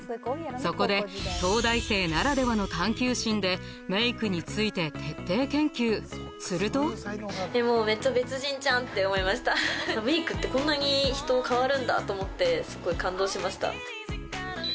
そこで東大生ならではの探究心でメイクについて徹底研究するともうめっちゃ別人じゃんって思いましたメイクってこんなに人が変わるんだと思ってすごい感動しました